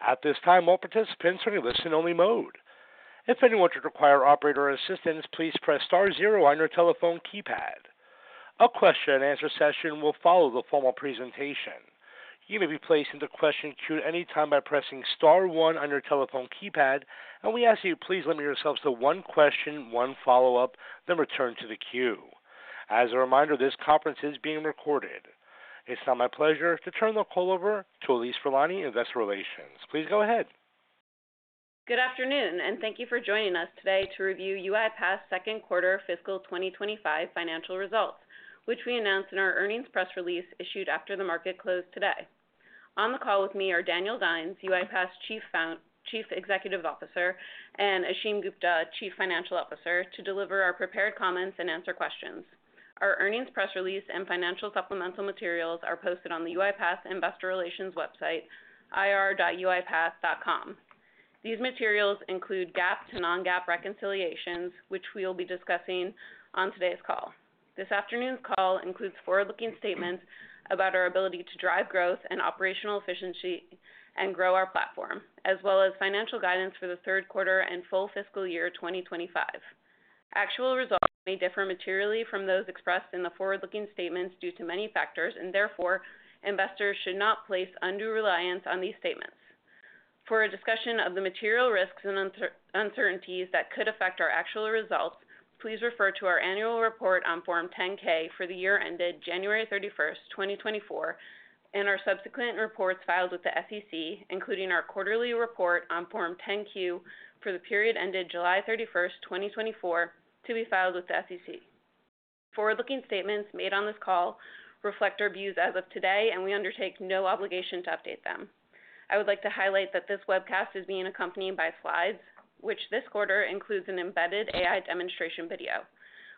At this time, all participants are in listen only mode. If anyone should require operator assistance, please press star zero on your telephone keypad. A question-and-answer session will follow the formal presentation. You may be placed into question queue at any time by pressing star one on your telephone keypad, and we ask you, please limit yourselves to one question, one follow-up, then return to the queue. As a reminder, this conference is being recorded. It's now my pleasure to turn the call over to Allise Furlani, Investor Relations. Please go ahead. Good afternoon, and thank you for joining us today to review UiPath's Second Quarter fiscal 2025 financial results, which we announced in our earnings press release issued after the market closed today. On the call with me are Daniel Dines, UiPath's Chief Executive Officer, and Ashim Gupta, Chief Financial Officer, to deliver our prepared comments and answer questions. Our earnings press release and financial supplemental materials are posted on the UiPath Investor Relations website, ir.uipath.com. These materials include GAAP to non-GAAP reconciliations, which we will be discussing on today's call. This afternoon's call includes forward-looking statements about our ability to drive growth and operational efficiency and grow our platform, as well as financial guidance for the third quarter and full fiscal year 2025. Actual results may differ materially from those expressed in the forward-looking statements due to many factors, and therefore, investors should not place undue reliance on these statements. For a discussion of the material risks and uncertainties that could affect our actual results, please refer to our annual report on Form 10-K for the year ended January 31st, twenty twenty-four, and our subsequent reports filed with the SEC, including our quarterly report on Form 10-Q for the period ended July 31st, 2024, to be filed with the SEC. Forward-looking statements made on this call reflect our views as of today, and we undertake no obligation to update them. I would like to highlight that this webcast is being accompanied by slides, which this quarter includes an embedded AI demonstration video.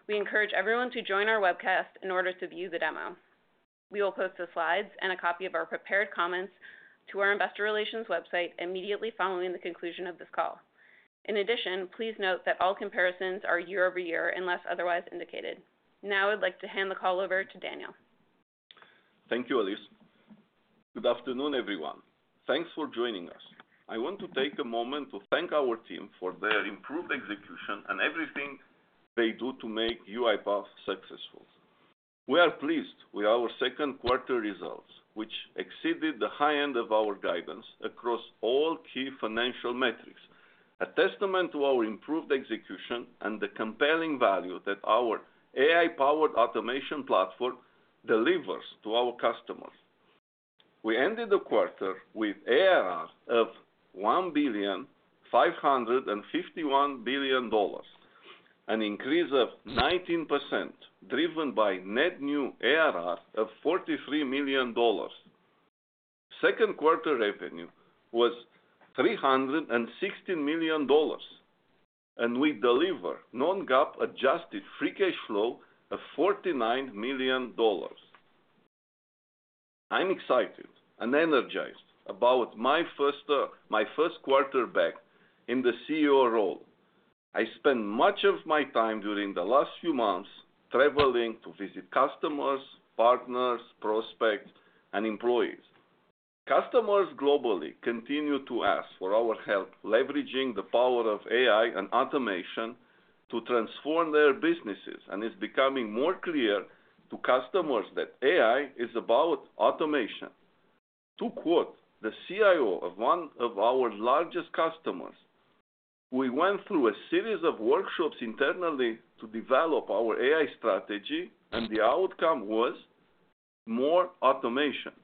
We encourage everyone to join our webcast in order to view the demo. We will post the slides and a copy of our prepared comments to our investor relations website immediately following the conclusion of this call. In addition, please note that all comparisons are year over year, unless otherwise indicated. Now, I'd like to hand the call over to Daniel. Thank you, Allise. Good afternoon, everyone. Thanks for joining us. I want to take a moment to thank our team for their improved execution and everything they do to make UiPath successful. We are pleased with our second quarter results, which exceeded the high end of our guidance across all key financial metrics, a testament to our improved execution and the compelling value that our AI-powered automation platform delivers to our customers. We ended the quarter with ARR of $1.551 billion, an increase of 19%, driven by net new ARR of $43 million. Second quarter revenue was $360 million, and we deliver non-GAAP adjusted free cash flow of $49 million. I'm excited and energized about my first, my first quarter back in the CEO role. I spent much of my time during the last few months traveling to visit customers, partners, prospects, and employees. Customers globally continue to ask for our help leveraging the power of AI and automation to transform their businesses, and it's becoming more clear to customers that AI is about automation. To quote the CIO of one of our largest customers, "We went through a series of workshops internally to develop our AI strategy, and the outcome was more automation."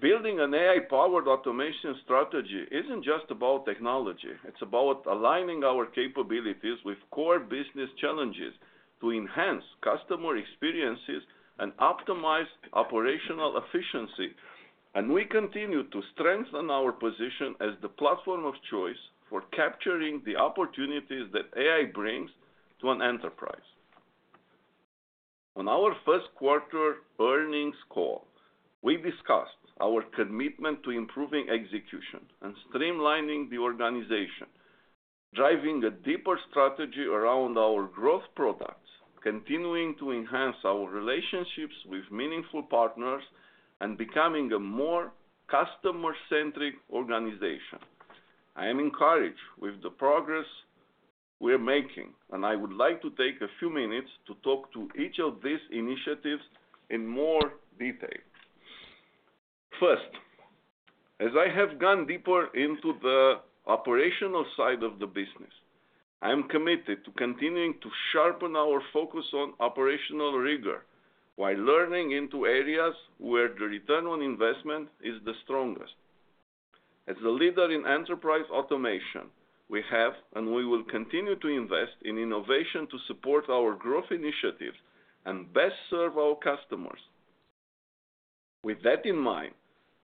Building an AI-powered automation strategy isn't just about technology. It's about aligning our capabilities with core business challenges to enhance customer experiences and optimize operational efficiency, and we continue to strengthen our position as the platform of choice for capturing the opportunities that AI brings to an enterprise. On our first quarter earnings call, we discussed our commitment to improving execution and streamlining the organization, driving a deeper strategy around our growth products, continuing to enhance our relationships with meaningful partners, and becoming a more customer-centric organization. I am encouraged with the progress we're making, and I would like to take a few minutes to talk to each of these initiatives in more detail. First, as I have gone deeper into the operational side of the business, I am committed to continuing to sharpen our focus on operational rigor while leaning into areas where the return on investment is the strongest. As a leader in enterprise automation, we have and we will continue to invest in innovation to support our growth initiatives and best serve our customers. With that in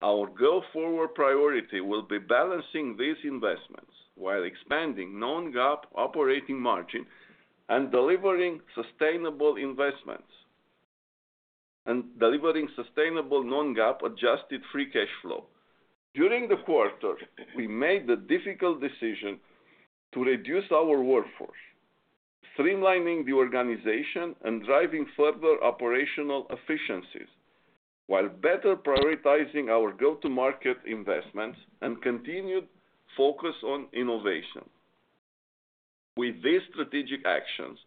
mind, our go-forward priority will be balancing these investments while expanding non-GAAP operating margin and delivering sustainable investments... and delivering sustainable non-GAAP adjusted free cash flow. During the quarter, we made the difficult decision to reduce our workforce, streamlining the organization and driving further operational efficiencies, while better prioritizing our go-to-market investments and continued focus on innovation. With these strategic actions,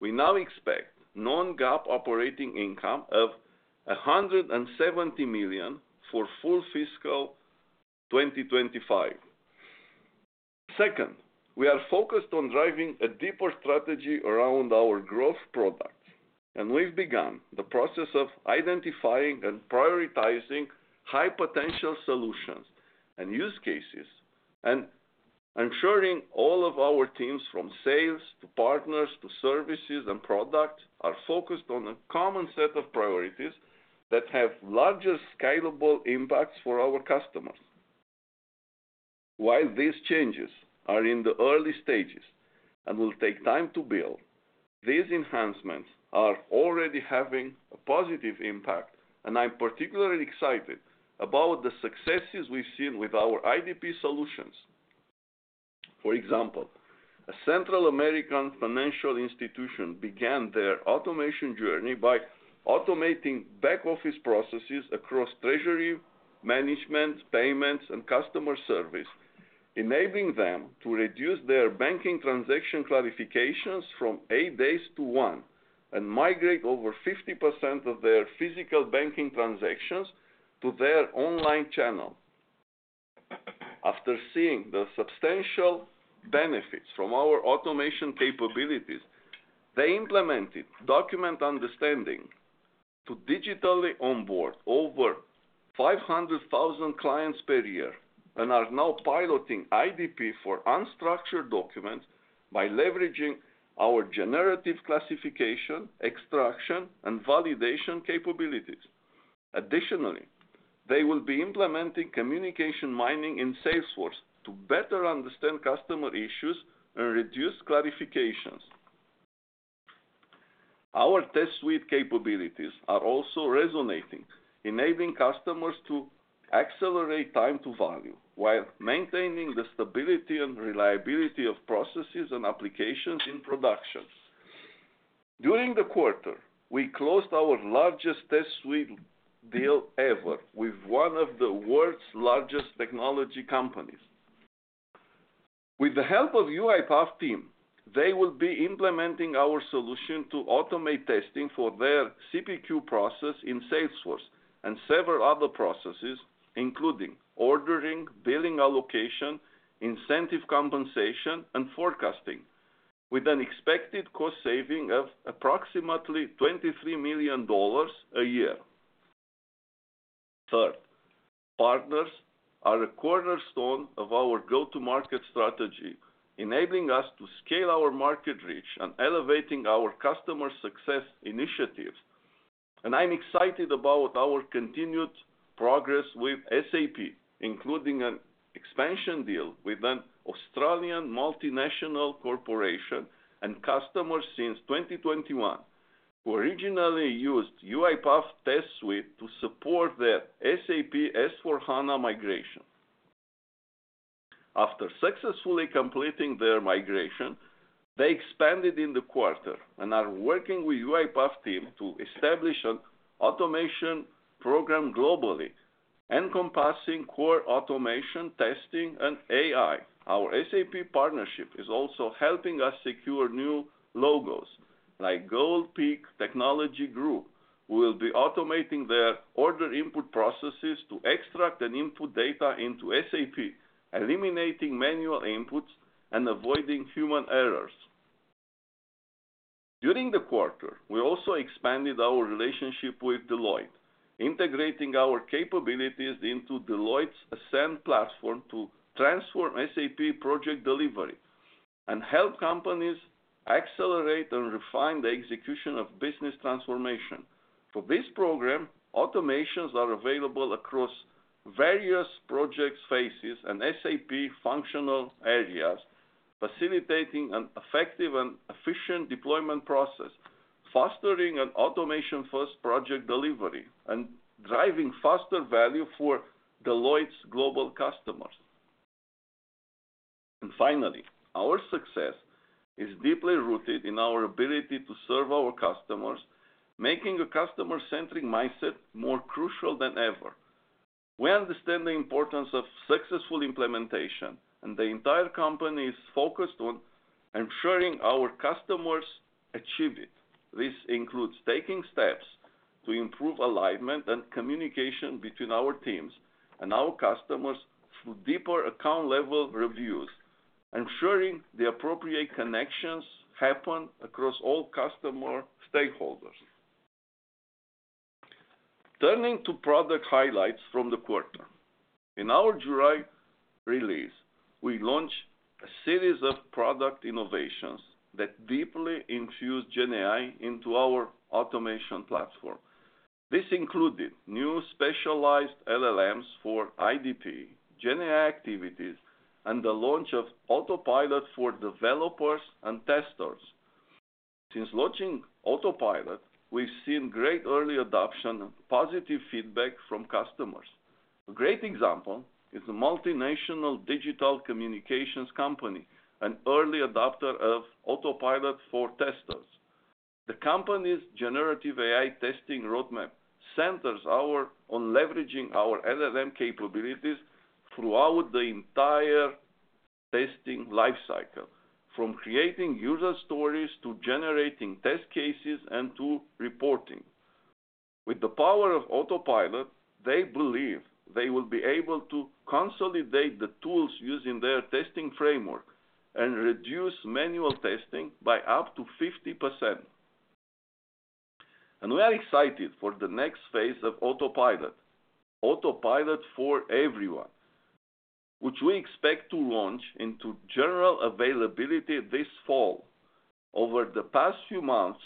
we now expect non-GAAP operating income of $170 million for full fiscal 2025. Second, we are focused on driving a deeper strategy around our growth products, and we've begun the process of identifying and prioritizing high-potential solutions and use cases, and ensuring all of our teams, from sales to partners, to services and products, are focused on a common set of priorities that have larger scalable impacts for our customers. While these changes are in the early stages and will take time to build, these enhancements are already having a positive impact, and I'm particularly excited about the successes we've seen with our IDP solutions. For example, a Central American financial institution began their automation journey by automating back-office processes across treasury, management, payments, and customer service, enabling them to reduce their banking transaction clarifications from eight days to one, and migrate over 50% of their physical banking transactions to their online channel. After seeing the substantial benefits from our automation capabilities, they implemented Document Understanding to digitally onboard over 500,000 clients per year, and are now piloting IDP for unstructured documents by leveraging our generative classification, extraction, and validation capabilities. Additionally, they will be implementing Communications Mining in Salesforce to better understand customer issues and reduce clarifications. Our Test Suite capabilities are also resonating, enabling customers to accelerate time to value while maintaining the stability and reliability of processes and applications in production. During the quarter, we closed our largest Test Suite deal ever with one of the world's largest technology companies. With the help of UiPath team, they will be implementing our solution to automate testing for their CPQ process in Salesforce and several other processes, including ordering, billing, allocation, incentive compensation, and forecasting, with an expected cost saving of approximately $23 million a year. Third, partners are a cornerstone of our go-to-market strategy, enabling us to scale our market reach and elevating our customer success initiatives, and I'm excited about our continued progress with SAP, including an expansion deal with an Australian multinational corporation and customer since 2021, who originally used UiPath Test Suite to support their SAP S/4HANA migration. After successfully completing their migration, they expanded in the quarter and are working with UiPath team to establish an automation program globally, encompassing core automation, testing, and AI. Our SAP partnership is also helping us secure new logos, like Gold Peak Technology Group, who will be automating their order input processes to extract and input data into SAP, eliminating manual inputs and avoiding human errors. During the quarter, we also expanded our relationship with Deloitte, integrating our capabilities into Deloitte's Ascend platform to transform SAP project delivery and help companies accelerate and refine the execution of business transformation. For this program, automations are available across various project phases and SAP functional areas, facilitating an effective and efficient deployment process, fostering an automation-first project delivery, and driving faster value for Deloitte's global customers. And finally, our success is deeply rooted in our ability to serve our customers, making a customer-centric mindset more crucial than ever. We understand the importance of successful implementation, and the entire company is focused on ensuring our customers achieve it. This includes taking steps to improve alignment and communication between our teams and our customers through deeper account-level reviews, ensuring the appropriate connections happen across all customer stakeholders. Turning to product highlights from the quarter. In our July release, we launched a series of product innovations that deeply infuse GenAI into our automation platform. This included new specialized LLMs for IDP, GenAI activities, and the launch of Autopilot for developers and testers. Since launching Autopilot, we've seen great early adoption and positive feedback from customers. A great example is a multinational digital communications company, an early adopter of Autopilot for testers. The company's generative AI testing roadmap centers on leveraging our LLM capabilities throughout the entire testing life cycle, from creating user stories, to generating test cases, and to reporting. With the power of Autopilot, they believe they will be able to consolidate the tools used in their testing framework and reduce manual testing by up to 50%. We are excited for the next phase of Autopilot, Autopilot for Everyone, which we expect to launch into general availability this fall. Over the past few months,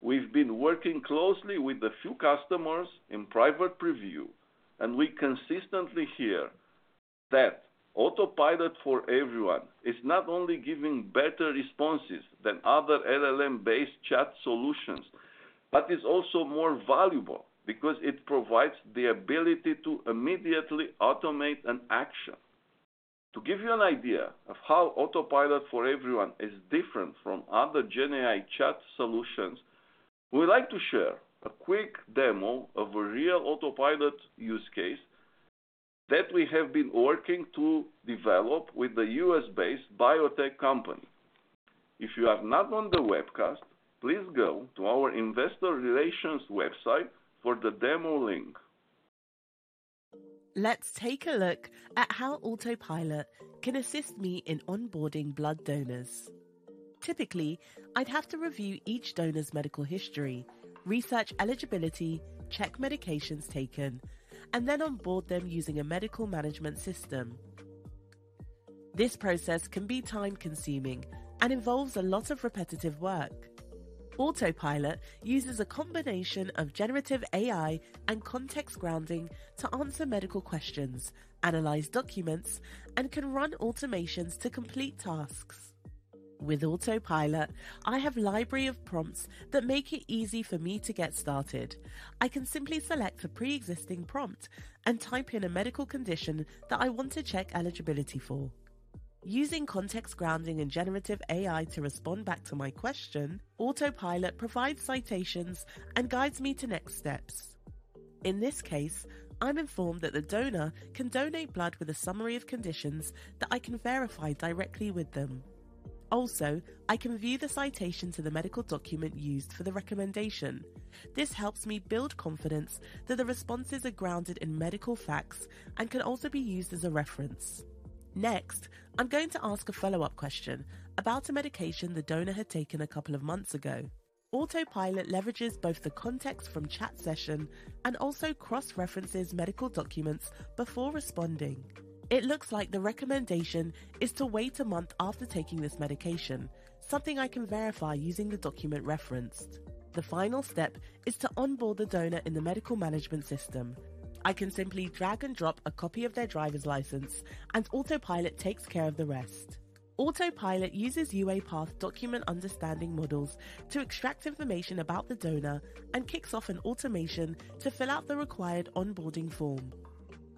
we've been working closely with a few customers in private preview, and we consistently hear that Autopilot for Everyone is not only giving better responses than other LLM-based chat solutions, but is also more valuable because it provides the ability to immediately automate an action. To give you an idea of how Autopilot for Everyone is different from other GenAI chat solutions, we'd like to share a quick demo of a real Autopilot use case that we have been working to develop with a U.S.-based biotech company. If you are not on the webcast, please go to our investor relations website for the demo link. Let's take a look at how Autopilot can assist me in onboarding blood donors. Typically, I'd have to review each donor's medical history, research eligibility, check medications taken, and then onboard them using a medical management system. This process can be time-consuming and involves a lot of repetitive work. Autopilot uses a combination of generative AI and context grounding to answer medical questions, analyze documents, and can run automations to complete tasks. With Autopilot, I have a library of prompts that make it easy for me to get started. I can simply select a preexisting prompt and type in a medical condition that I want to check eligibility for. Using context grounding and generative AI to respond back to my question, Autopilot provides citations and guides me to next steps. In this case, I'm informed that the donor can donate blood with a summary of conditions that I can verify directly with them. Also, I can view the citation to the medical document used for the recommendation. This helps me build confidence that the responses are grounded in medical facts and can also be used as a reference. Next, I'm going to ask a follow-up question about a medication the donor had taken a couple of months ago. Autopilot leverages both the context from chat session and also cross-references medical documents before responding. It looks like the recommendation is to wait a month after taking this medication, something I can verify using the document referenced. The final step is to onboard the donor in the medical management system. I can simply drag and drop a copy of their driver's license, and Autopilot takes care of the rest. Autopilot uses UiPath Document Understanding models to extract information about the donor and kicks off an automation to fill out the required onboarding form.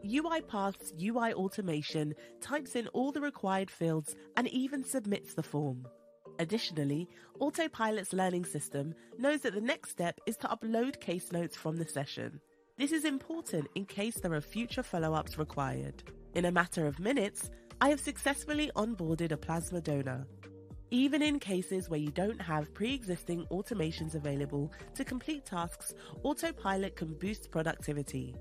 UiPath's UI automation types in all the required fields and even submits the form. Additionally, Autopilot's learning system knows that the next step is to upload case notes from the session. This is important in case there are future follow-ups required. In a matter of minutes, I have successfully onboarded a plasma donor. Even in cases where you don't have preexisting automations available to complete tasks, Autopilot can boost productivity.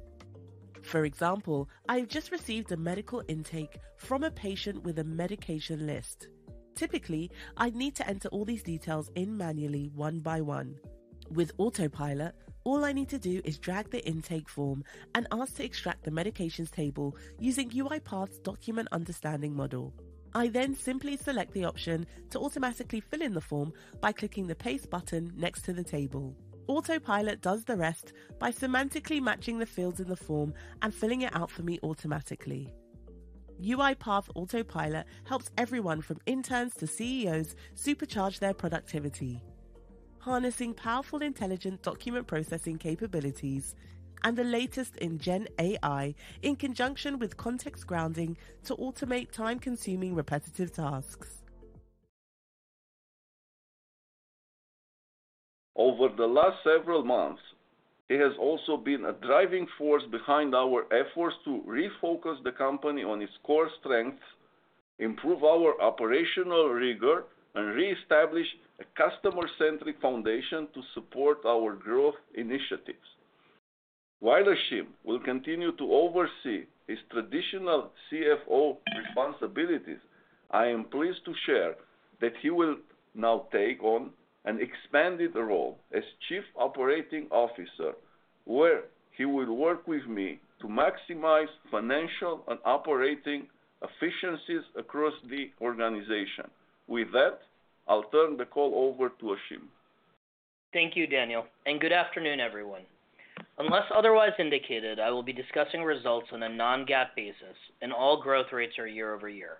For example, I've just received a medical intake from a patient with a medication list. Typically, I'd need to enter all these details in manually, one by one. With Autopilot, all I need to do is drag the intake form and ask to extract the medications table using UiPath's Document Understanding Model. I then simply select the option to automatically fill in the form by clicking the paste button next to the table. Autopilot does the rest by semantically matching the fields in the form and filling it out for me automatically. UiPath Autopilot helps everyone from interns to CEOs supercharge their productivity, harnessing powerful intelligent document processing capabilities and the latest in GenAI, in conjunction with context grounding, to automate time-consuming, repetitive tasks. Over the last several months, he has also been a driving force behind our efforts to refocus the company on its core strengths, improve our operational rigor, and reestablish a customer-centric foundation to support our growth initiatives. While Ashim will continue to oversee his traditional CFO responsibilities, I am pleased to share that he will now take on an expanded role as Chief Operating Officer, where he will work with me to maximize financial and operating efficiencies across the organization. With that, I'll turn the call over to Ashim. Thank you, Daniel, and good afternoon, everyone. Unless otherwise indicated, I will be discussing results on a non-GAAP basis, and all growth rates are year over year.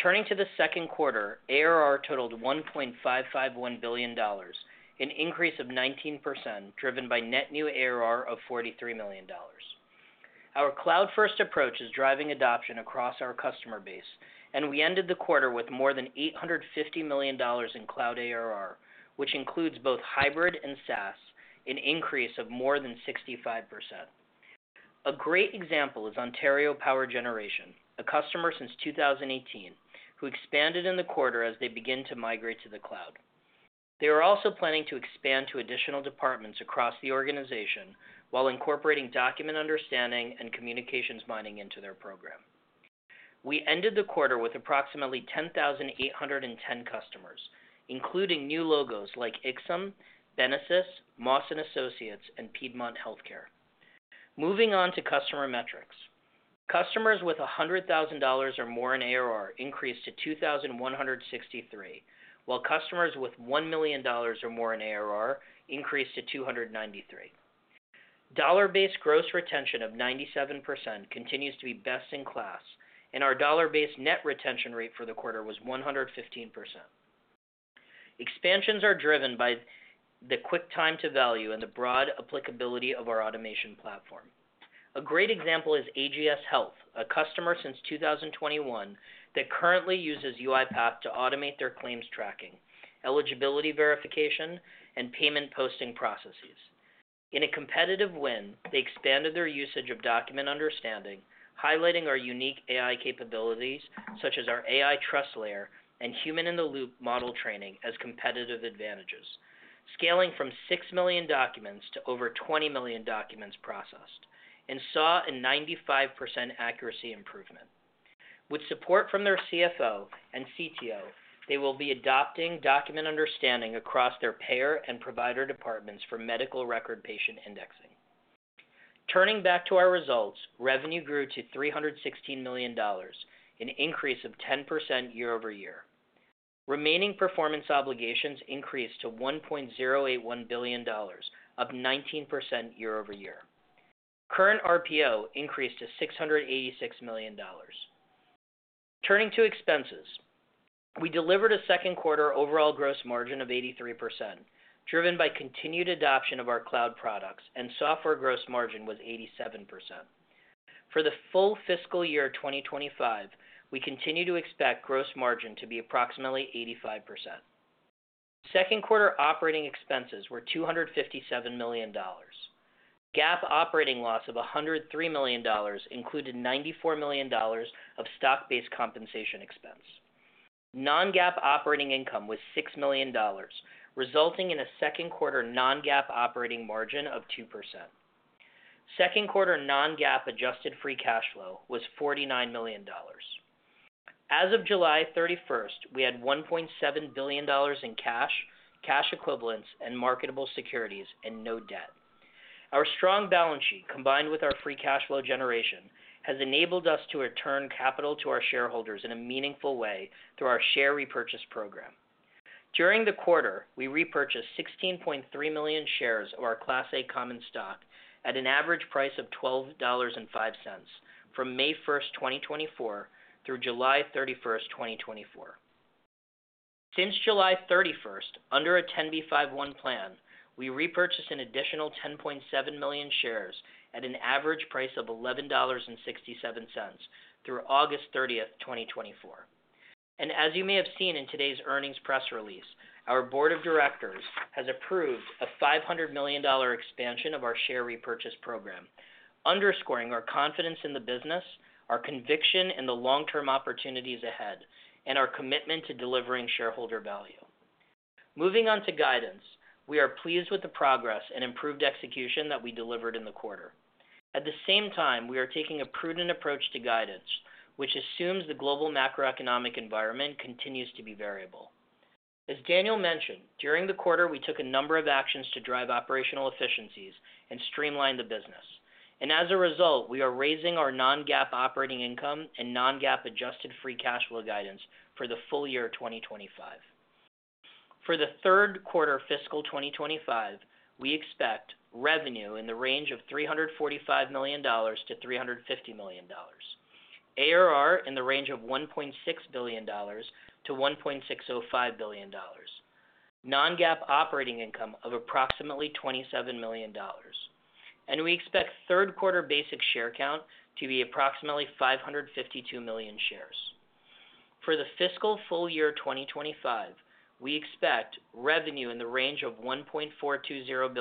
Turning to the second quarter, ARR totaled $1.551 billion, an increase of 19%, driven by net new ARR of $43 million. Our cloud-first approach is driving adoption across our customer base, and we ended the quarter with more than $850 million in cloud ARR, which includes both hybrid and SaaS, an increase of more than 65%. A great example is Ontario Power Generation, a customer since 2018, who expanded in the quarter as they begin to migrate to the cloud. They are also planning to expand to additional departments across the organization, while incorporating Document Understanding and Communications Mining into their program. We ended the quarter with approximately 10,810 customers, including new logos like IXM, Benesis, Moss & Associates, and Piedmont Healthcare. Moving on to customer metrics. Customers with $100,000 or more in ARR increased to 2,163, while customers with $1 million or more in ARR increased to 293. Dollar-based gross retention of 97% continues to be best in class, and our dollar-based net retention rate for the quarter was 115%. Expansions are driven by the quick time to value and the broad applicability of our automation platform. A great example is AGS Health, a customer since 2021, that currently uses UiPath to automate their claims tracking, eligibility verification, and payment posting processes. In a competitive win, they expanded their usage of Document Understanding, highlighting our unique AI capabilities, such as our AI trust layer and human-in-the-loop model training as competitive advantages, scaling from six million documents to over 20 million documents processed, and saw a 95% accuracy improvement. With support from their CFO and CTO, they will be adopting Document Understanding across their payer and provider departments for medical record patient indexing. Turning back to our results, revenue grew to $316 million, an increase of 10% year over year. Remaining performance obligations increased to $1.081 billion, up 19% year over year. Current RPO increased to $686 million. Turning to expenses. We delivered a second quarter overall gross margin of 83%, driven by continued adoption of our cloud products, and software gross margin was 87%. For the full fiscal year 2025, we continue to expect gross margin to be approximately 85%. Second quarter operating expenses were $257 million. GAAP operating loss of $103 million included $94 million of stock-based compensation expense. Non-GAAP operating income was $6 million, resulting in a second quarter non-GAAP operating margin of 2%. Second quarter non-GAAP adjusted free cash flow was $49 million. As of July thirty-first, we had $1.7 billion in cash, cash equivalents, and marketable securities, and no debt. Our strong balance sheet, combined with our free cash flow generation, has enabled us to return capital to our shareholders in a meaningful way through our share repurchase program. During the quarter, we repurchased 16.3 million shares of our Class A common stock at an average price of $12.05 from May 1st, 2024, through July 31st, 2024. Since July 31st, under a 10b5-1 plan, we repurchased an additional 10.7 million shares at an average price of $11.67 through August 30th, 2024. As you may have seen in today's earnings press release, our board of directors has approved a $500 million expansion of our share repurchase program, underscoring our confidence in the business, our conviction in the long-term opportunities ahead, and our commitment to delivering shareholder value. Moving on to guidance. We are pleased with the progress and improved execution that we delivered in the quarter. At the same time, we are taking a prudent approach to guidance, which assumes the global macroeconomic environment continues to be variable. As Daniel mentioned, during the quarter, we took a number of actions to drive operational efficiencies and streamline the business. And as a result, we are raising our non-GAAP operating income and non-GAAP adjusted free cash flow guidance for the full year 2025. For the third quarter fiscal 2025, we expect revenue in the range of $345-$350 million, ARR in the range of $1.6-$1.605 billion, non-GAAP operating income of approximately $27 million, and we expect third quarter basic share count to be approximately 552 million shares. For the fiscal full year 2025, we expect revenue in the range of $1.420-$1.425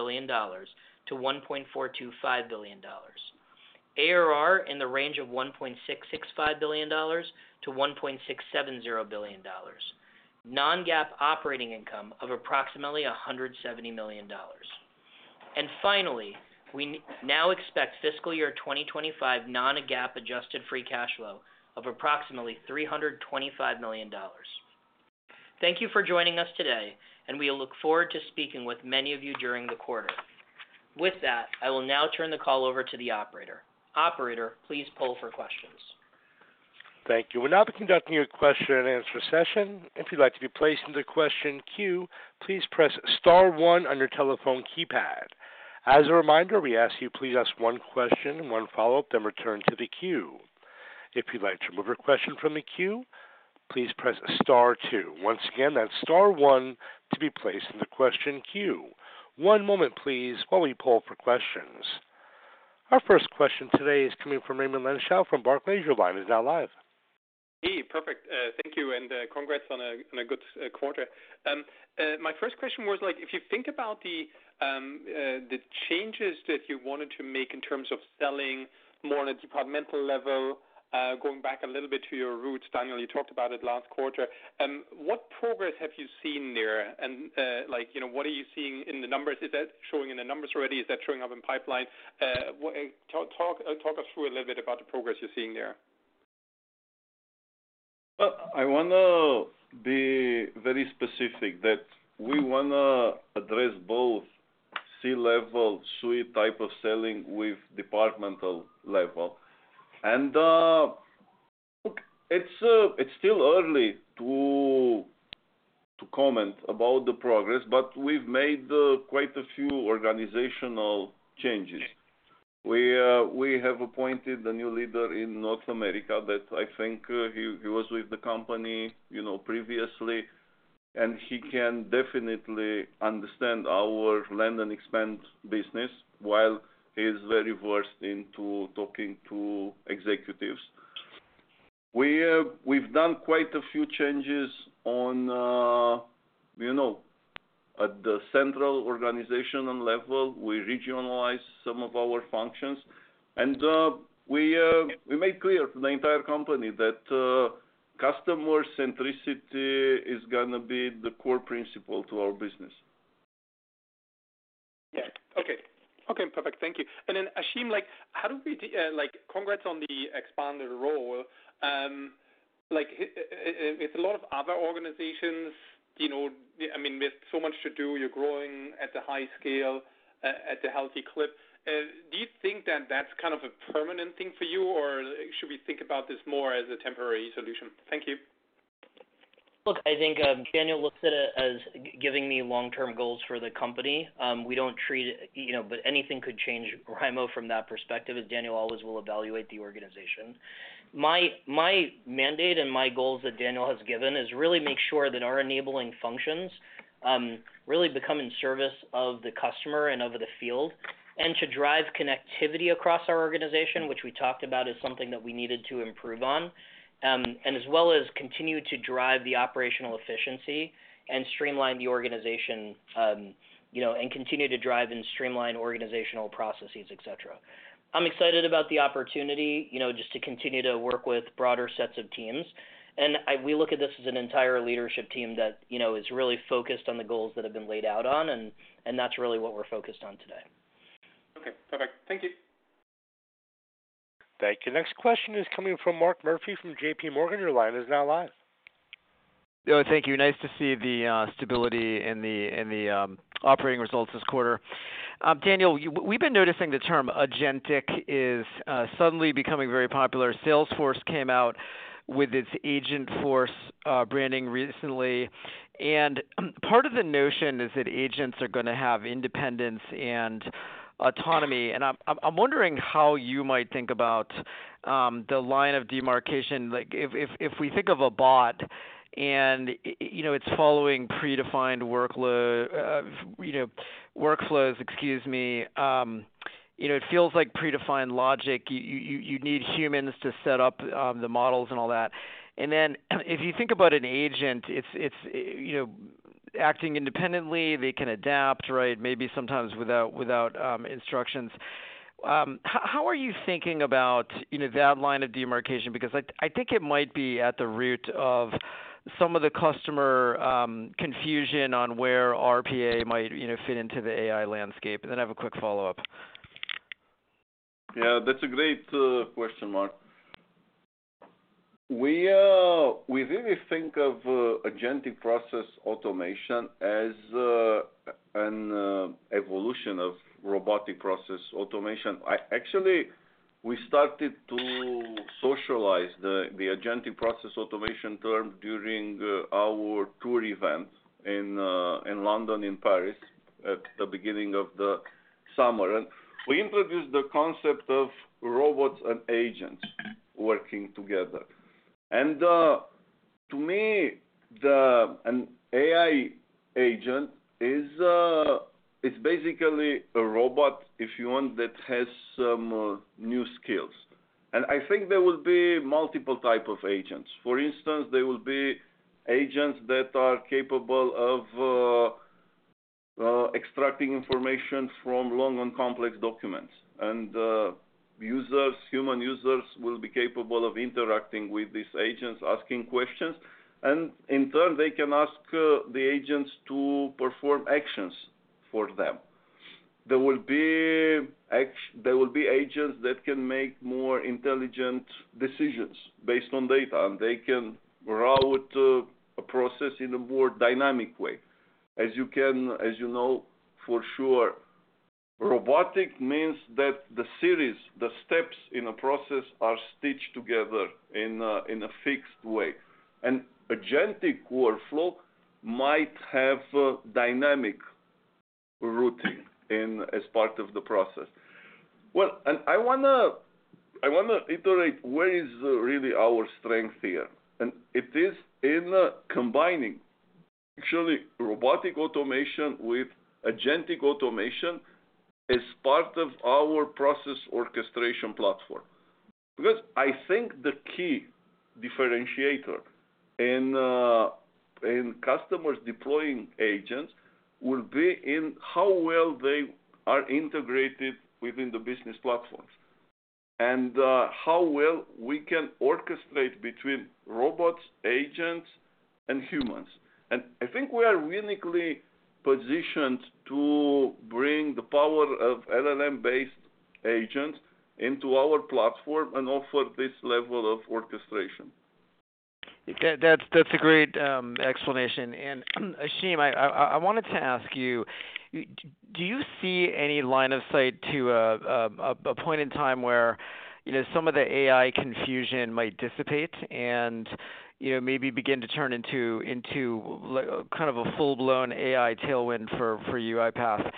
billion, ARR in the range of $1.665-$1.670 billion, non-GAAP operating income of approximately $170 million. And finally, we now expect fiscal year 2025 non-GAAP adjusted free cash flow of approximately $325 million. Thank you for joining us today, and we look forward to speaking with many of you during the quarter. With that, I will now turn the call over to the operator. Operator, please poll for questions.... Thank you. We'll now be conducting a question and answer session. If you'd like to be placed in the question queue, please press star one on your telephone keypad. As a reminder, we ask you please ask one question and one follow-up, then return to the queue. If you'd like to remove a question from the queue, please press star two. Once again, that's star one to be placed in the question queue. One moment please, while we poll for questions. Our first question today is coming from Raimo Lenschow from Barclays. Your line is now live. Hey, perfect. Thank you, and, congrats on a good quarter. My first question was like, if you think about the changes that you wanted to make in terms of selling more on a departmental level, going back a little bit to your roots, Daniel, you talked about it last quarter. What progress have you seen there? And, like, you know, what are you seeing in the numbers? Is that showing in the numbers already? Is that showing up in pipeline? Talk us through a little bit about the progress you're seeing there. I wanna be very specific that we wanna address both C-level, suite type of selling with departmental level. Look, it's still early to comment about the progress, but we've made quite a few organizational changes. We have appointed a new leader in North America that I think he was with the company, you know, previously, and he can definitely understand our land and expand business, while he's very versed into talking to executives. We've done quite a few changes on, you know, at the central organizational level. We regionalized some of our functions, and we made clear to the entire company that customer centricity is gonna be the core principle to our business. Yeah. Okay. Okay, perfect. Thank you. And then, Ashim, like, congrats on the expanded role. With a lot of other organizations, you know, I mean, with so much to do, you're growing at a high scale, at a healthy clip. Do you think that that's kind of a permanent thing for you, or should we think about this more as a temporary solution? Thank you. Look, I think, Daniel looks at it as giving me long-term goals for the company. We don't treat it. You know, but anything could change my role from that perspective, as Daniel always will evaluate the organization. My mandate and my goals that Daniel has given is really make sure that our enabling functions really become in service of the customer and of the field, and to drive connectivity across our organization, which we talked about as something that we needed to improve on. And as well as continue to drive the operational efficiency and streamline the organization, you know, and continue to drive and streamline organizational processes, et cetera. I'm excited about the opportunity, you know, just to continue to work with broader sets of teams. We look at this as an entire leadership team that, you know, is really focused on the goals that have been laid out on, and that's really what we're focused on today. Okay, perfect. Thank you. Thank you. Next question is coming from Mark Murphy from JP Morgan. Your line is now live. Oh, thank you. Nice to see the stability in the operating results this quarter. Daniel, we've been noticing the term agentic is suddenly becoming very popular. Salesforce came out with its Agentforce branding recently. And part of the notion is that agents are gonna have independence and autonomy, and I'm wondering how you might think about the line of demarcation. Like, if we think of a bot and, you know, it's following predefined workflows, excuse me, you know, it feels like predefined logic. You need humans to set up the models and all that. And then, if you think about an agent, it's you know, acting independently, they can adapt, right? Maybe sometimes without instructions. How are you thinking about, you know, that line of demarcation? Because I think it might be at the root of some of the customer confusion on where RPA might, you know, fit into the AI landscape. And then I have a quick follow-up. Yeah, that's a great question, Mark. We really think of agentic process automation as an evolution of robotic process automation. Actually, we started to socialize the agentic process automation term during our tour event in London and Paris, at the beginning of the summer. And to me, an AI agent is it's basically a robot, if you want, that has some new skills. And I think there will be multiple type of agents. For instance, there will be agents that are capable of extracting information from long and complex documents. And users, human users will be capable of interacting with these agents, asking questions, and in turn, they can ask the agents to perform actions for them. There will be agents that can make more intelligent decisions based on data, and they can route a process in a more dynamic way. As you know for sure, robotic means that the steps in a process are stitched together in a fixed way. And agentic workflow might have dynamic routing in as part of the process. I want to iterate where is really our strength here? And it is in combining actually robotic automation with agentic automation as part of our process orchestration platform. Because I think the key differentiator in customers deploying agents will be in how well they are integrated within the business platforms, and how well we can orchestrate between robots, agents, and humans. I think we are uniquely positioned to bring the power of LLM-based agents into our platform and offer this level of orchestration. That's a great explanation. And, Ashim, I wanted to ask you: do you see any line of sight to a point in time where, you know, some of the AI confusion might dissipate and, you know, maybe begin to turn into kind of a full-blown AI tailwind for UiPath?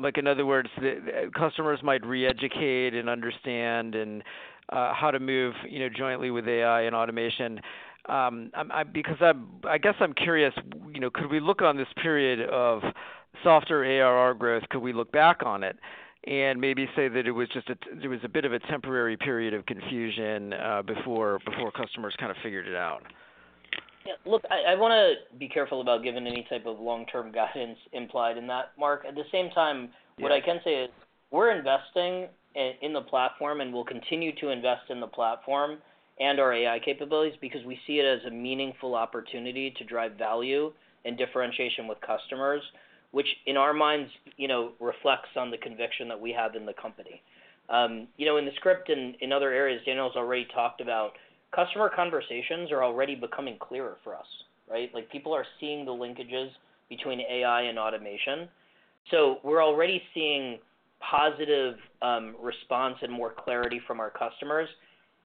Like, in other words, the customers might re-educate and understand and how to move, you know, jointly with AI and automation. I'm... Because I'm, I guess I'm curious, you know, could we look on this period of softer ARR growth, could we look back on it and maybe say that it was just a bit of a temporary period of confusion before customers kind of figured it out? Yeah, look, I, I wanna be careful about giving any type of long-term guidance implied in that, Mark. At the same time- Yeah What I can say is, we're investing in the platform, and we'll continue to invest in the platform and our AI capabilities because we see it as a meaningful opportunity to drive value and differentiation with customers, which in our minds, you know, reflects on the conviction that we have in the company. You know, in the script and in other areas Daniel's already talked about, customer conversations are already becoming clearer for us, right? Like, people are seeing the linkages between AI and automation. So we're already seeing positive response and more clarity from our customers.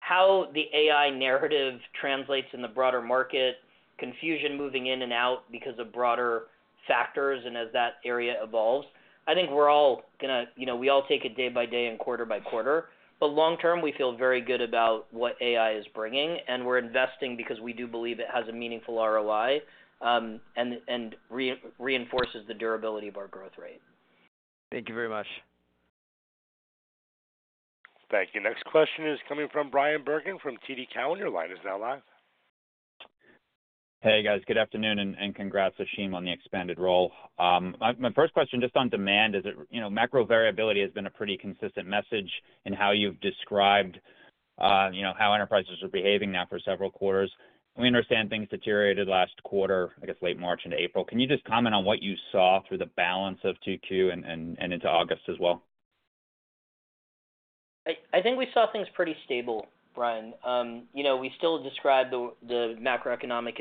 How the AI narrative translates in the broader market, confusion moving in and out because of broader factors, and as that area evolves, I think we're all gonna, you know, we all take it day by day and quarter by quarter. But long term, we feel very good about what AI is bringing, and we're investing because we do believe it has a meaningful ROI, and reinforces the durability of our growth rate. Thank you very much. Thank you. Next question is coming from Bryan Bergin from TD Cowen. Your line is now live. Hey, guys. Good afternoon, and congrats, Ashim, on the expanded role. My first question, just on demand, is it, you know, macro variability has been a pretty consistent message in how you've described, you know, how enterprises are behaving now for several quarters. We understand things deteriorated last quarter, I guess, late March into April. Can you just comment on what you saw through the balance of Q2 and into August as well? I think we saw things pretty stable, Brian. You know, we still describe the macroeconomic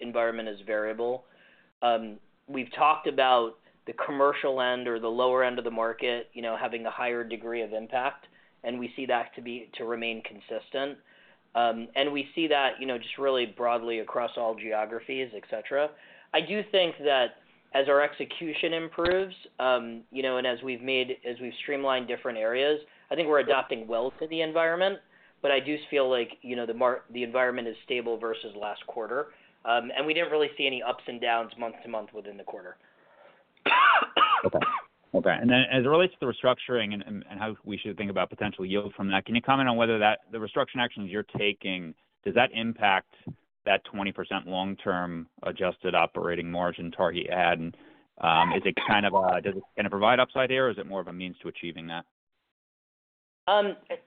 environment as variable. We've talked about the commercial end or the lower end of the market, you know, having a higher degree of impact, and we see that to remain consistent. And we see that, you know, just really broadly across all geographies, et cetera. I do think that as our execution improves, you know, and as we've streamlined different areas, I think we're adapting well to the environment. But I do feel like, you know, the environment is stable versus last quarter. And we didn't really see any ups and downs month to month within the quarter. Okay. And then as it relates to the restructuring and how we should think about potential yield from that, can you comment on whether that, the restructuring actions you're taking, does that impact that 20% long-term adjusted operating margin target you had? And, is it kind of does it gonna provide upside there, or is it more of a means to achieving that?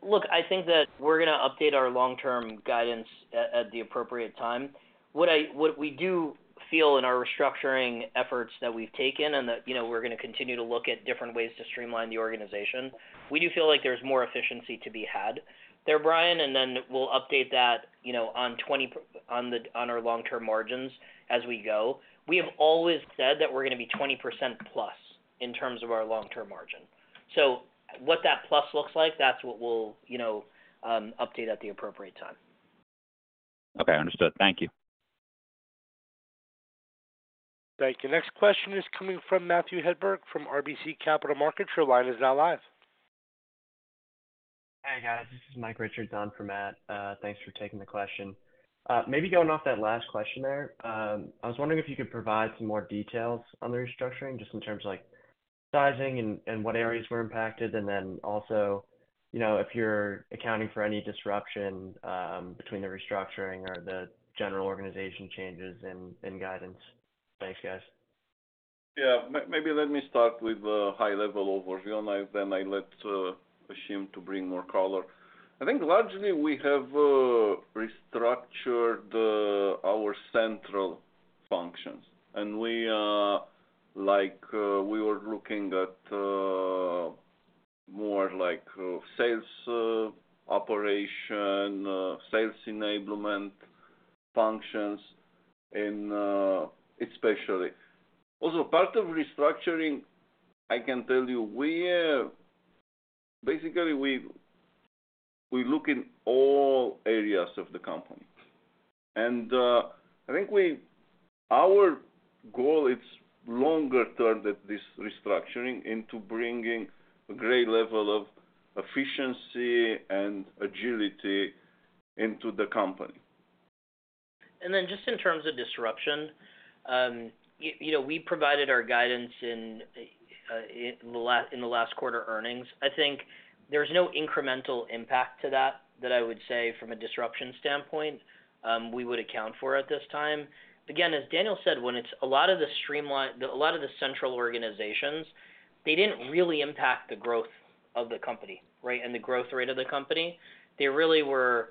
Look, I think that we're gonna update our long-term guidance at the appropriate time. What we do feel in our restructuring efforts that we've taken, and that, you know, we're gonna continue to look at different ways to streamline the organization, we do feel like there's more efficiency to be had there, Bryan, and then we'll update that, you know, on our long-term margins as we go. We have always said that we're gonna be 20% plus in terms of our long-term margin. So what that plus looks like, that's what we'll, you know, update at the appropriate time. Okay, understood. Thank you. Thank you. Next question is coming from Matthew Hedberg, from RBC Capital Markets. Your line is now live. Hi, guys. This is Mike Richards on for Matt. Thanks for taking the question. Maybe going off that last question there, I was wondering if you could provide some more details on the restructuring, just in terms of, like, sizing and what areas were impacted, and then also, you know, if you're accounting for any disruption between the restructuring or the general organization changes and guidance. Thanks, guys. Yeah. Maybe let me start with a high-level overview, and then I let Ashim to bring more color. I think largely we have restructured our central functions, and we like we were looking at more like sales operation sales enablement functions and especially. Also part of restructuring, I can tell you, we basically we look in all areas of the company. I think our goal is longer term than this restructuring into bringing a great level of efficiency and agility into the company. And then just in terms of disruption, you know, we provided our guidance in, in the last quarter earnings. I think there's no incremental impact to that, that I would say from a disruption standpoint, we would account for at this time. Again, as Daniel said, when it's a lot of the central organizations, they didn't really impact the growth of the company, right, and the growth rate of the company. They really were,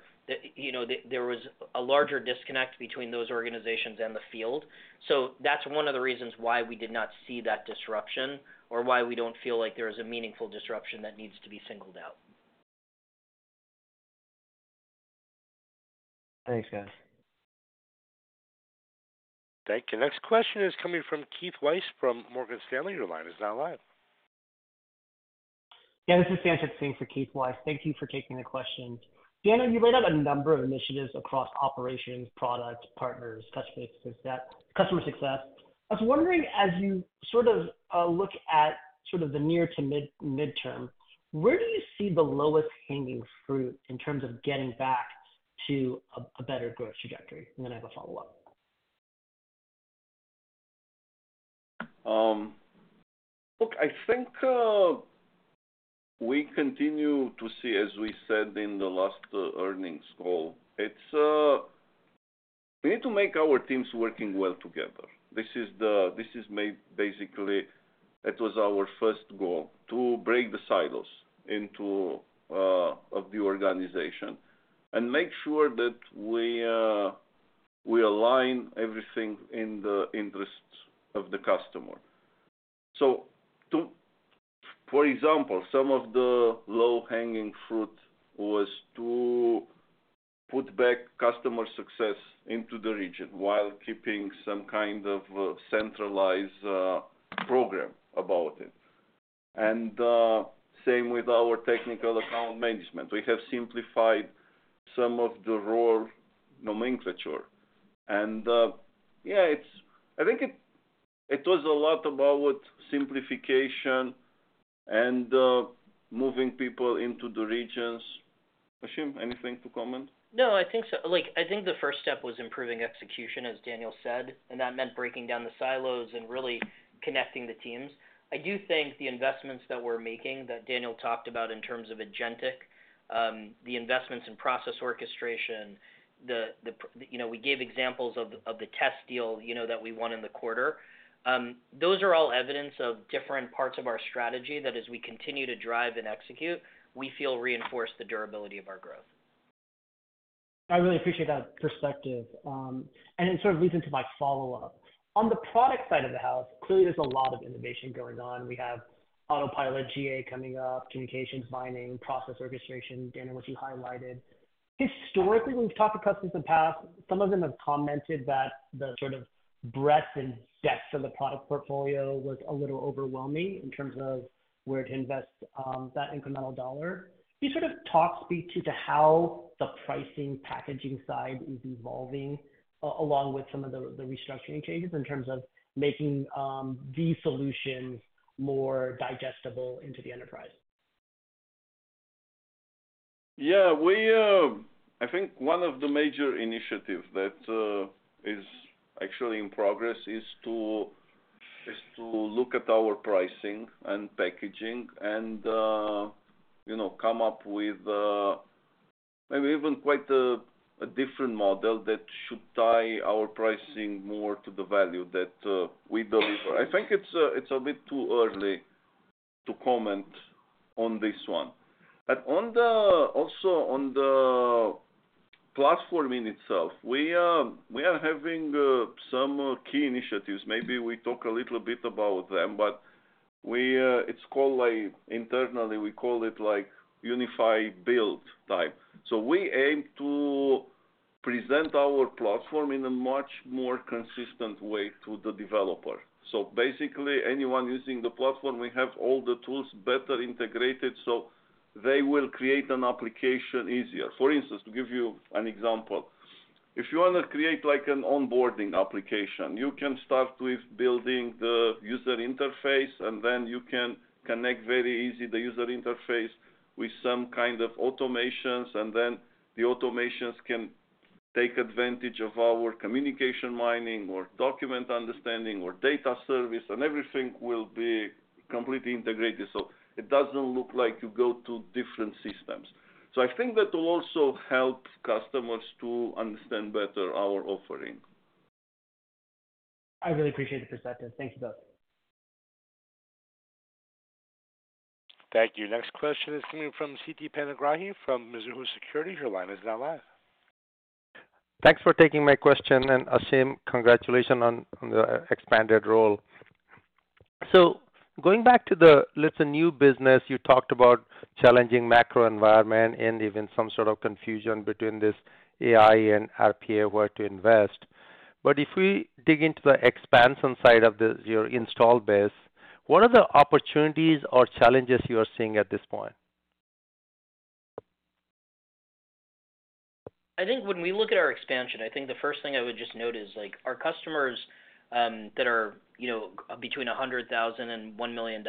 you know, there was a larger disconnect between those organizations and the field. So that's one of the reasons why we did not see that disruption or why we don't feel like there is a meaningful disruption that needs to be singled out. Thanks, guys. Thank you. Next question is coming from Keith Weiss from Morgan Stanley. Your line is now live. Yeah, this is Sanjit Singh for Keith Weiss. Thank you for taking the question. Daniel, you laid out a number of initiatives across operations, products, partners, touch base is that customer success. I was wondering, as you sort of look at sort of the near to mid-term, where do you see the lowest hanging fruit in terms of getting back to a better growth trajectory? And then I have a follow-up. Look, I think we continue to see, as we said in the last earnings call, it's... We need to make our teams working well together. This is basically it was our first goal, to break the silos of the organization and make sure that we align everything in the interests of the customer. So for example, some of the low-hanging fruit was to put back customer success into the region while keeping some kind of a centralized program about it. And same with our technical account management. We have simplified some of the raw nomenclature. And yeah, it's I think it was a lot about simplification and moving people into the regions. Ashim, anything to comment? No, I think so. Like, I think the first step was improving execution, as Daniel said, and that meant breaking down the silos and really connecting the teams. I do think the investments that we're making, that Daniel talked about in terms of agentic, the investments in process orchestration, you know, we gave examples of the test deal, you know, that we won in the quarter. Those are all evidence of different parts of our strategy that as we continue to drive and execute, we feel reinforce the durability of our growth. I really appreciate that perspective, and it sort of leads into my follow-up. On the product side of the house, clearly, there's a lot of innovation going on. We have Autopilot, GA coming up, Communications Mining, process orchestration, Daniel, which you highlighted. Historically, when we've talked to customers in the past, some of them have commented that the sort of breadth and depth of the product portfolio was a little overwhelming in terms of where to invest that incremental dollar. Can you sort of talk to how the pricing, packaging side is evolving, along with some of the restructuring changes in terms of making the solution more digestible into the enterprise? Yeah, we, I think one of the major initiatives that is actually in progress is to look at our pricing and packaging and, you know, come up with maybe even quite a different model that should tie our pricing more to the value that we deliver. I think it's a bit too early to comment on this one. But also on the platform in itself, we are having some key initiatives. Maybe we talk a little bit about them, but we, it's called, like, internally, we call it, like, unify build type. So we aim to present our platform in a much more consistent way to the developer. So basically, anyone using the platform, we have all the tools better integrated, so they will create an application easier. For instance, to give you an example, if you want to create, like, an onboarding application, you can start with building the user interface, and then you can connect very easy the user interface with some kind of automations, and then the automations can take advantage of our Communications Mining or Document Understanding or data service, and everything will be completely integrated. So it doesn't look like you go to different systems. So I think that will also help customers to understand better our offering. I really appreciate the perspective. Thank you both. Thank you. Next question is coming from Siti Panigrahi from Mizuho Securities. Your line is now live. Thanks for taking my question, and Ashim, congratulations on the expanded role. So going back to the, let's say, new business, you talked about challenging macro environment and even some sort of confusion between this AI and RPA, where to invest. But if we dig into the expansion side of this, your install base, what are the opportunities or challenges you are seeing at this point? I think when we look at our expansion, I think the first thing I would just note is, like, our customers that are, you know, between $100,000 and $1 million,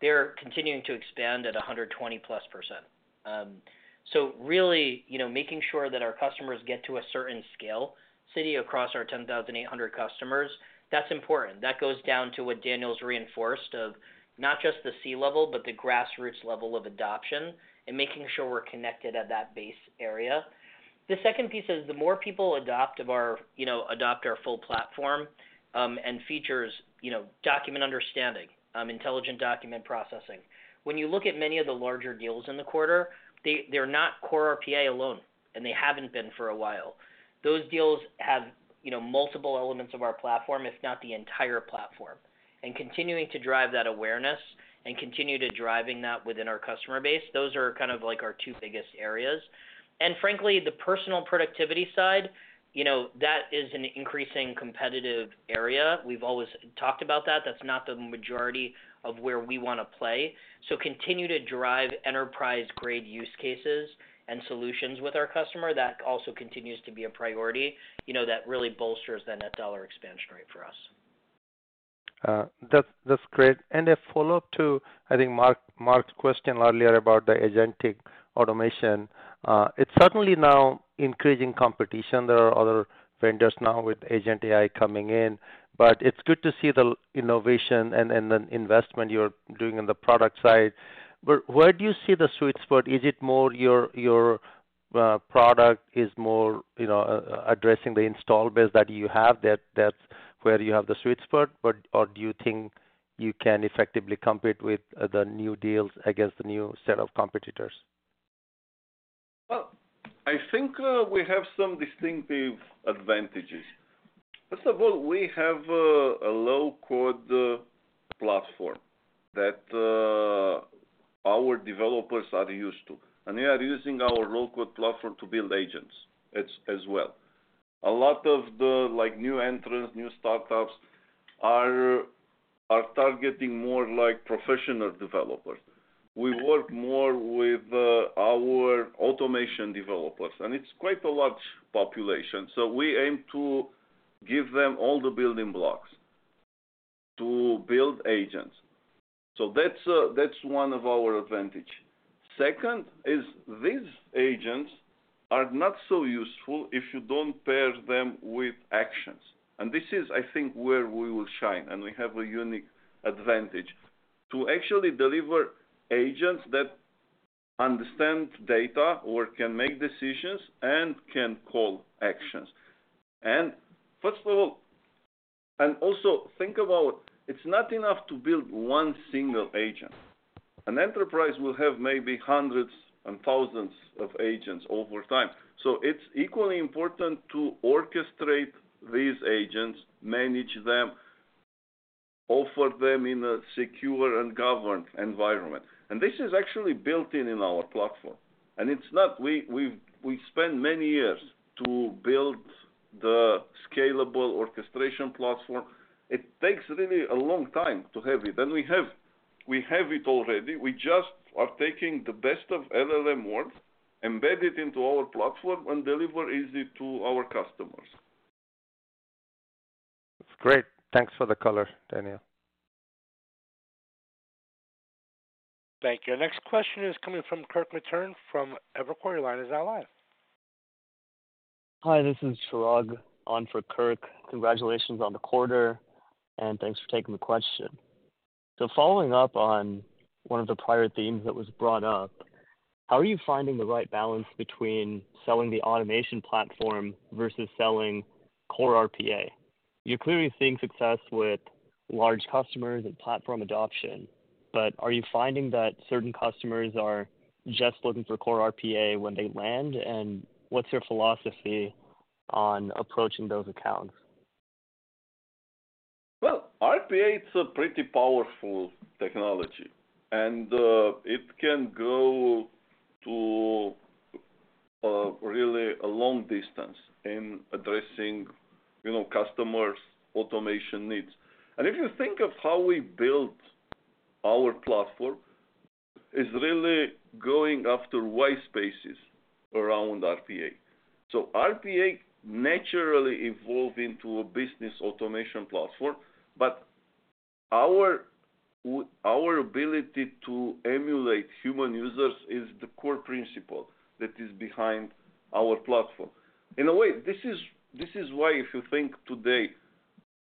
they're continuing to expand at 120+%. So really, you know, making sure that our customers get to a certain scale, scaling across our 10,800 customers, that's important. That goes down to what Daniel's reinforced of not just the C-level, but the grassroots level of adoption and making sure we're connected at that base area. The second piece is, the more people adopt of our, you know, adopt our full platform, and features, you know, Document Understanding, Intelligent Document Processing. When you look at many of the larger deals in the quarter, they, they're not core RPA alone, and they haven't been for a while. Those deals have, you know, multiple elements of our platform, if not the entire platform, and continuing to drive that awareness and continue to drive that within our customer base. Those are kind of like our two biggest areas, and frankly, the personal productivity side, you know, that is an increasing competitive area. We've always talked about that. That's not the majority of where we wanna play, so continue to drive enterprise-grade use cases and solutions with our customer. That also continues to be a priority, you know, that really bolsters the net dollar expansion rate for us. That's, that's great. And a follow-up to, I think, Mark's question earlier about the agentic automation. It's certainly now increasing competition. There are other vendors now with agent AI coming in, but it's good to see the innovation and the investment you're doing on the product side. But where do you see the sweet spot? Is it more your product is more, you know, addressing the install base that you have, that's where you have the sweet spot? But or do you think you can effectively compete with the new deals against the new set of competitors? I think we have some distinctive advantages. First of all, we have a low-code platform that our developers are used to, and we are using our low-code platform to build agents as well. A lot of the, like, new entrants, new startups are targeting more like professional developers. We work more with our automation developers, and it's quite a large population. We aim to give them all the building blocks to build agents. That's one of our advantage. Second, these agents are not so useful if you don't pair them with actions. This is, I think, where we will shine, and we have a unique advantage to actually deliver agents that understand data or can make decisions and can call actions. First of all... And also think about, it's not enough to build one single agent. An enterprise will have maybe hundreds and thousands of agents over time. So it's equally important to orchestrate these agents, manage them, offer them in a secure and governed environment. And this is actually built-in in our platform, and it's not. We spent many years to build the scalable orchestration platform. It takes really a long time to have it, and we have it already. We just are taking the best of LLM world, embed it into our platform, and deliver it easy to our customers. It's great. Thanks for the color, Daniel. Thank you. Our next question is coming from Kirk Materne from Evercore. Line is now live. Hi, this is Chirag on for Kirk. Congratulations on the quarter, and thanks for taking the question. So following up on one of the prior themes that was brought up, how are you finding the right balance between selling the automation platform versus selling core RPA? You're clearly seeing success with large customers and platform adoption, but are you finding that certain customers are just looking for core RPA when they land, and what's your philosophy on approaching those accounts? RPA is a pretty powerful technology, and, it can go to, really a long distance in addressing, you know, customers' automation needs. And if you think of how we built our platform, is really going after white spaces around RPA. So RPA naturally evolved into a business automation platform, but our ability to emulate human users is the core principle that is behind our platform. In a way, this is, this is why, if you think today,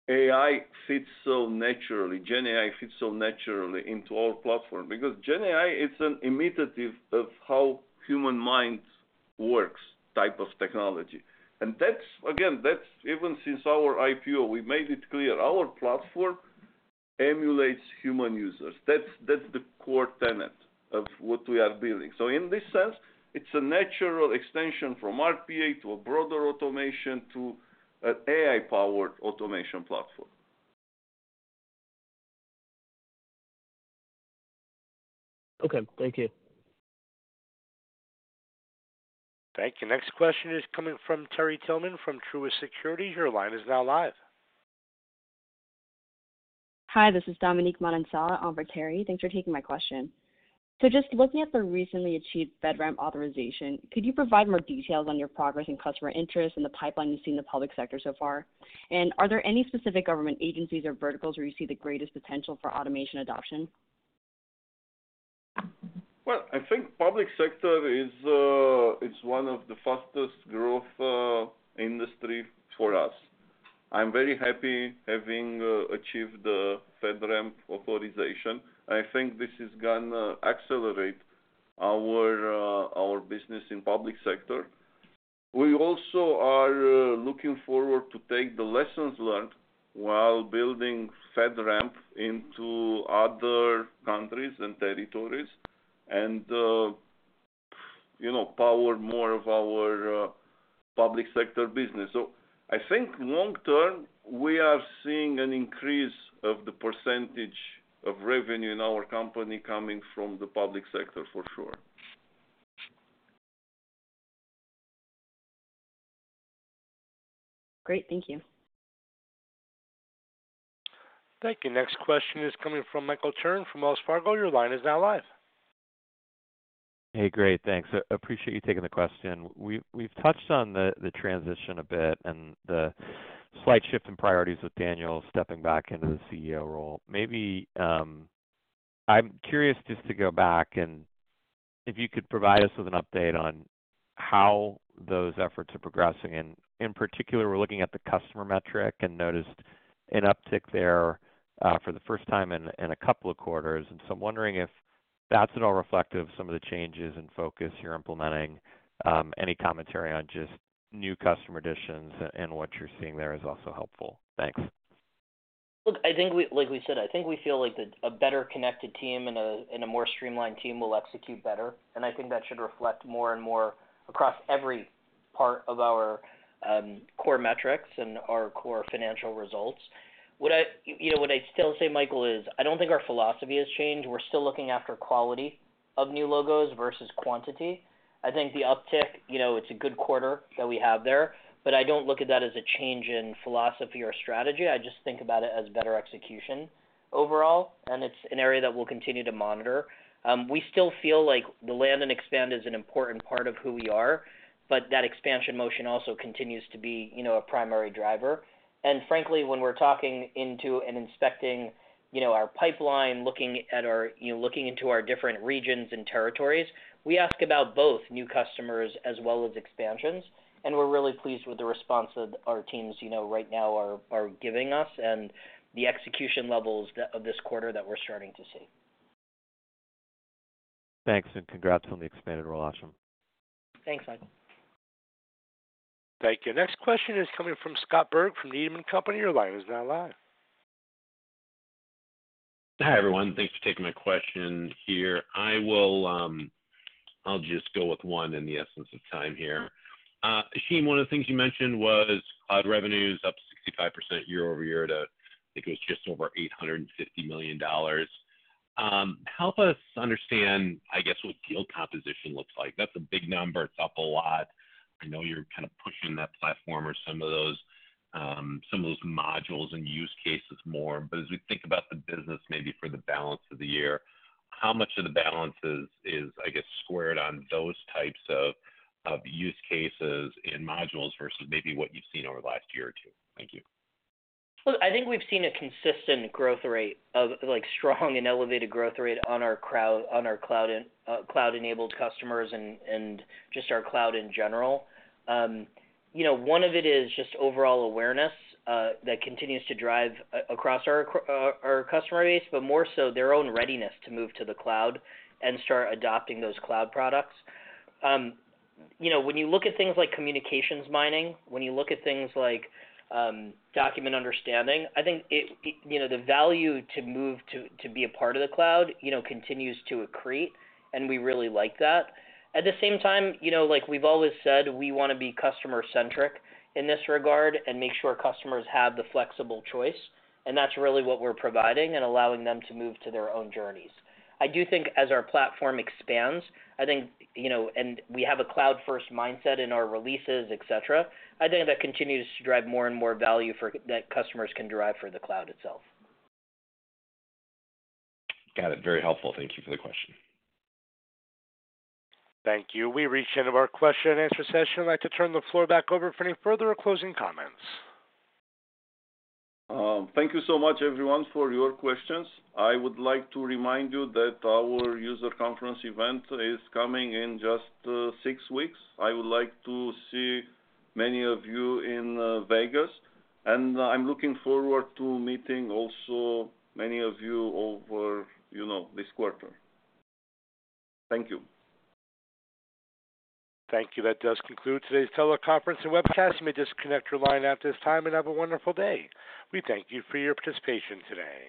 AI fits so naturally, GenAI fits so naturally into our platform. Because GenAI is an imitation of how human mind works type of technology. And that's, again, that's even since our IPO, we made it clear, our platform emulates human users. That's, that's the core tenet of what we are building. So in this sense, it's a natural extension from RPA to a broader automation, to an AI-powered automation platform. Okay, thank you. Thank you. Next question is coming from Terry Tillman from Truist Securities. Your line is now live. Hi, this is Dominique Manansala on for Terry. Thanks for taking my question. So just looking at the recently achieved FedRAMP authorization, could you provide more details on your progress and customer interest in the pipeline you've seen in the public sector so far? And are there any specific government agencies or verticals where you see the greatest potential for automation adoption? I think public sector is one of the fastest growth industry for us. I'm very happy having achieved the FedRAMP authorization. I think this is gonna accelerate our business in public sector. We also are looking forward to take the lessons learned while building FedRAMP into other countries and territories and, you know, power more of our public sector business. I think long term, we are seeing an increase of the percentage of revenue in our company coming from the public sector for sure. Great. Thank you. Thank you. Next question is coming from Michael Turrin from Wells Fargo. Your line is now live. Hey, great, thanks. I appreciate you taking the question. We've touched on the transition a bit and the slight shift in priorities with Daniel stepping back into the CEO role. Maybe, I'm curious just to go back and if you could provide us with an update on how those efforts are progressing. And in particular, we're looking at the customer metric and noticed an uptick there for the first time in a couple of quarters. And so I'm wondering if that's at all reflective of some of the changes in focus you're implementing. Any commentary on just new customer additions and what you're seeing there is also helpful. Thanks. Look, I think we, like we said, I think we feel like a better connected team and a more streamlined team will execute better, and I think that should reflect more and more across every part of our core metrics and our core financial results. What I, you know, what I'd still say, Michael, is I don't think our philosophy has changed. We're still looking after quality of new logos versus quantity. I think the uptick, you know, it's a good quarter that we have there, but I don't look at that as a change in philosophy or strategy. I just think about it as better execution overall, and it's an area that we'll continue to monitor. We still feel like the land and expand is an important part of who we are, but that expansion motion also continues to be, you know, a primary driver. And frankly, when we're talking into and inspecting, you know, our pipeline, looking at our, you know, looking into our different regions and territories, we ask about both new customers as well as expansions, and we're really pleased with the response that our teams, you know, right now are giving us and the execution levels of this quarter that we're starting to see. Thanks, and congrats on the expanded role, Ashim. Thanks, Michael. Thank you. Next question is coming from Scott Berg from Needham & Company. Your line is now live. Hi, everyone. Thanks for taking my question here. I will, I'll just go with one in the essence of time here. Ashim, one of the things you mentioned was cloud revenues up 65% year-over-year to, I think, it was just over $850 million. Help us understand, I guess, what deal composition looks like. That's a big number. It's up a lot. I know you're kind of pushing that platform or some of those, some of those modules and use cases more, but as we think about the business, maybe for the balance of the year, how much of the balances is, I guess, squared on those types of, of use cases in modules versus maybe what you've seen over the last year or two? Thank you. I think we've seen a consistent growth rate of, like, strong and elevated growth rate on our cloud-enabled customers and just our cloud in general. You know, one of it is just overall awareness that continues to drive across our customer base, but more so, their own readiness to move to the cloud and start adopting those cloud products. You know, when you look at things like Communications Mining, when you look at things like Document Understanding, I think it, you know, the value to move to be a part of the cloud, you know, continues to accrete, and we really like that. At the same time, you know, like we've always said, we wanna be customer-centric in this regard and make sure customers have the flexible choice, and that's really what we're providing and allowing them to move to their own journeys. I do think as our platform expands, I think, you know, and we have a cloud-first mindset in our releases, et cetera, I think that continues to drive more and more value for, that customers can derive for the cloud itself. Got it. Very helpful. Thank you for the question. Thank you. We've reached the end of our question and answer session. I'd like to turn the floor back over for any further closing comments. Thank you so much, everyone, for your questions. I would like to remind you that our user conference event is coming in just six weeks. I would like to see many of you in Vegas, and I'm looking forward to meeting also many of you over, you know, this quarter. Thank you. Thank you. That does conclude today's teleconference and webcast. You may disconnect your line after this time, and have a wonderful day. We thank you for your participation today.